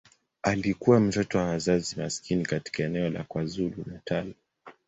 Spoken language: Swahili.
Alikuwa mtoto wa wazazi maskini katika eneo la KwaZulu-Natal.